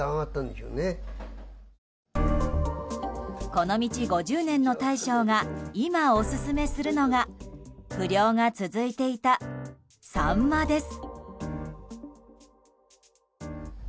この道５０年の大将が今、オススメするのが不漁が続いていたサンマです。